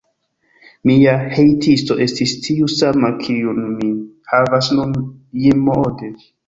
Mia hejtisto estis tiu sama, kiun mi havas nun, Jim Moode.